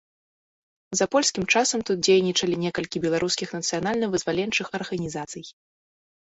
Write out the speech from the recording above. За польскім часам тут дзейнічалі некалькі беларускіх нацыянальна-вызваленчых арганізацый.